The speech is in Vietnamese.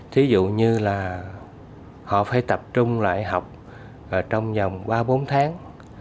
thí dụ như là họ phải tập trung lại học trong vòng ba bốn tháng